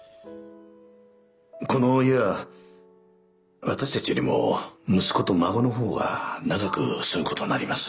この家は私たちよりも息子と孫の方が長く住むことになります。